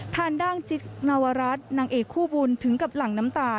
ทางด้านจิ๊กนวรัฐนางเอกคู่บุญถึงกับหลั่งน้ำตา